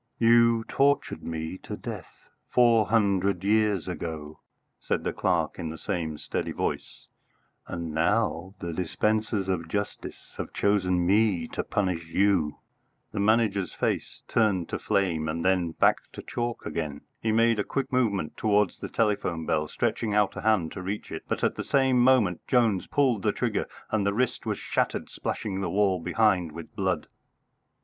"You tortured me to death four hundred years ago," said the clerk in the same steady voice, "and now the dispensers of justice have chosen me to punish you." The Manager's face turned to flame, and then back to chalk again. He made a quick movement towards the telephone bell, stretching out a hand to reach it, but at the same moment Jones pulled the trigger and the wrist was shattered, splashing the wall behind with blood.